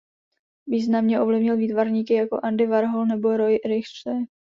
Významně ovlivnil výtvarníky jako Andy Warhol nebo Roy Lichtenstein.